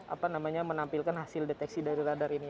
apa namanya menampilkan hasil deteksi dari radar ini